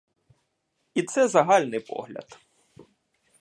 І це загальний погляд.